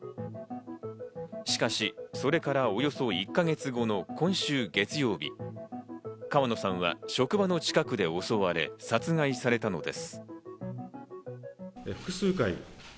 しかし、それからおよそ１か月後の今週月曜日、川野さんは職場の近くで襲われ殺害されたのです。